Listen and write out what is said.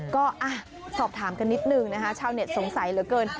ก็สอบถามกันนิดนึงนะคะชาวเน็ตสงสัยเหลือเกิน